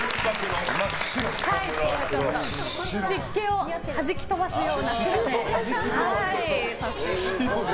湿気をはじき飛ばすような白で。